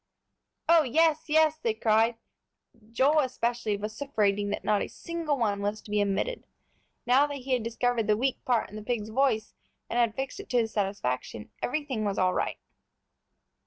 "Oh, yes, yes!" they cried, Joel especially vociferating that not a single one was to be omitted. Now that he had discovered the weak part in the pig's voice, and had fixed it to his satisfaction, everything was all right.